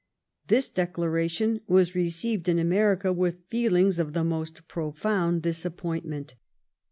This declaration was received in America with feelings of the most profound disappointment.